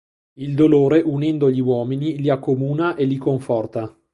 Il dolore unendo gli uomini li accomuna e li conforta.